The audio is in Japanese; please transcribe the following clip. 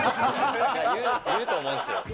言うと思うんですよ。